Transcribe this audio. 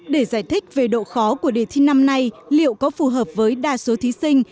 để giải thích về độ khó của đề thi năm nay liệu có phù hợp với đa số thí sinh